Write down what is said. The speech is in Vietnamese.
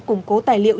củng cố tài liệu